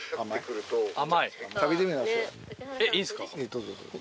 どうぞどうぞ。